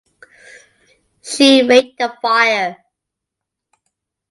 She raked the fire.